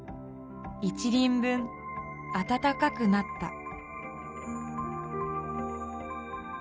一輪分暖かくなった」。